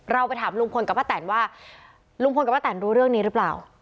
เราไปถามลุงพลกับป้าแตนว่าลุงพลกับป้าแตนรู้เรื่องนี้หรือเปล่า